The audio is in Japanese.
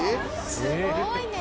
すごいね！